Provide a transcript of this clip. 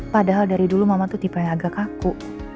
padahal dari dulu mama tuh tipe yang agak kaku